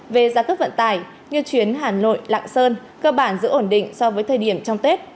về giá cước vận tải như chuyến hà nội lạng sơn cơ bản giữ ổn định so với thời điểm trong tết